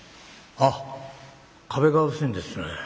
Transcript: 「あっ壁が薄いんですね。